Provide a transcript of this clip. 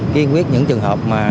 kiên quyết những trường hợp